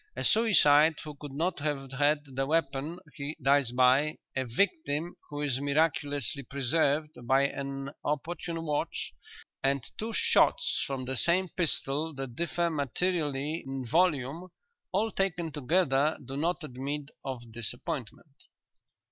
"A suicide who could not have had the weapon he dies by, a victim who is miraculously preserved by an opportune watch, and two shots from the same pistol that differ materially in volume, all taken together do not admit of disappointment."